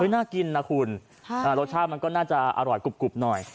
น่ากินนะคุณรสชาติมันก็น่าจะอร่อยกรุบหน่อย